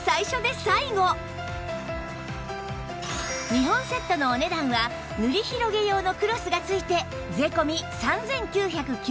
２本セットのお値段は塗り広げ用のクロスが付いて税込３９９０円